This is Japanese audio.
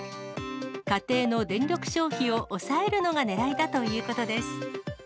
家庭の電力消費を抑えるのがねらいだということです。